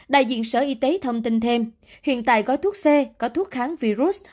đại diện sở y tế thông tin thêm hiện tại gói thuốc c có thuốc kháng virus